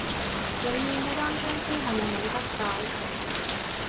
永遠嘅單相思係咪冇得救？